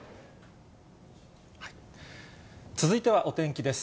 続いてはお天気です。